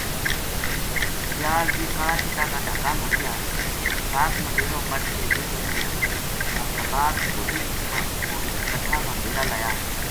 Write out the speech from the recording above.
سیال یہ کالا چِٹا کا ڈھاکا ما رہیا بیساکھ ما ڈیرو پَٹ کہ یہ ٹُر گیا مظفرآباد کہوڑی کٹھہ ما ڈیرا لایا